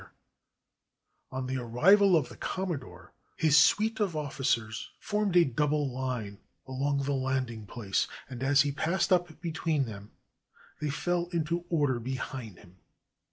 432 COMMODORE PERRY IN JAPAN On the arrival of the Commodore, his suite of officers formed a double line along the landing place, and as he passed up between, they fell into order behind him.